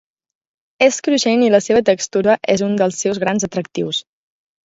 És cruixent i la seva textura és un dels seus grans atractius.